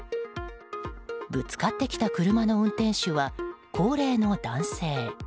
ぶつかってきた車の運転手は高齢の男性。